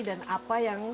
dan apa yang